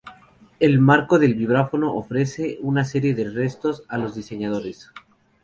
El marco del vibráfono ofrece una serie de retos a los diseñadores.